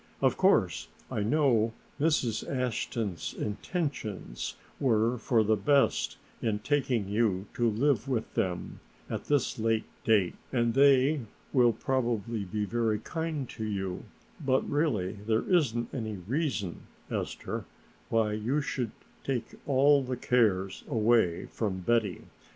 "Of course I know Mrs. Aston's intentions were for the best in taking you to live with them at this late date and they will probably be very kind to you, but really there isn't any reason, Esther, why you should take all the cares away from Betty.